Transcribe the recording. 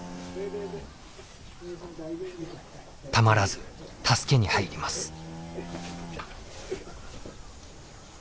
たまらず助けに入ります。